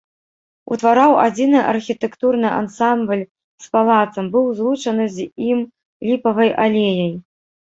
Утвараў адзіны архітэктурны ансамбль з палацам, быў злучаны з ім ліпавай алеяй.